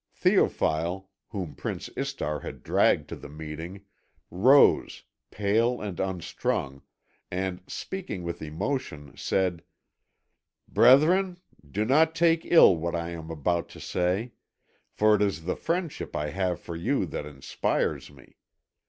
Théophile, whom Prince Istar had dragged to the meeting, rose, pale and unstrung, and, speaking with emotion, said: "Brethren, do not take ill what I am about to say; for it is the friendship I have for you that inspires me.